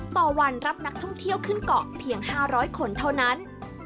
ต่อวันรับนักท่องเที่ยวขึ้นเกาะเพียง๕๐๐คนเท่านั้น